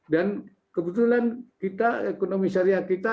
dan kebetulan kita ekonomi syariah kita